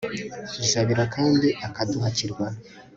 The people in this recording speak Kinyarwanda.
jabiro kandi akaduhakirwa